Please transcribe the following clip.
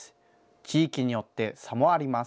地域によって差もあります。